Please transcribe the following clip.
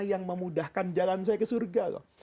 dia juga memudahkan jalan saya ke surga loh